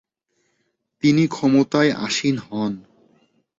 তিনি ক্ষমতায় আসীন হন।